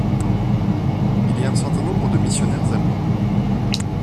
Il y a un certain nombre de missionnaires allemands.